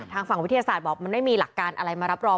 ทางฝั่งวิทยาศาสตร์บอกมันไม่มีหลักการอะไรมารับรอง